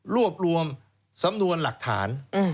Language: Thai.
รวบรวมสำนวนหลักฐาน